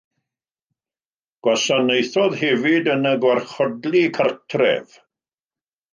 Gwasanaethodd hefyd yn y Gwarchodlu Cartref.